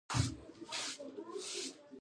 د هیواد غمیزه اوږدوي.